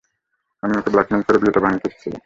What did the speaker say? আমি ওকে ব্ল্যাকমেইল করে বিয়েটা ভাঙতে এসেছিলাম।